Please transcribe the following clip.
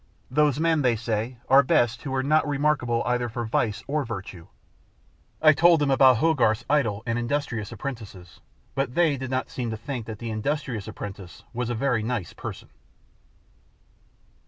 Those men, they say, are best who are not remarkable either for vice or virtue. I told them about Hogarth's idle and industrious apprentices, but they did not seem to think that the industrious apprentice was a very nice person.